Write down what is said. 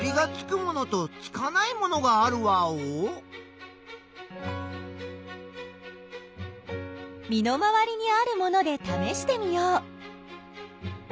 みの回りにあるものでためしてみよう。